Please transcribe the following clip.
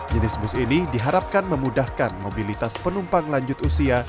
jenis bus ini diharapkan memudahkan mobilitas penumpang lanjut usia